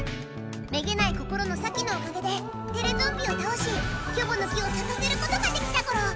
めげない心のサキのおかげでテレゾンビをたおしキョボの木をさかせることができたゴロ！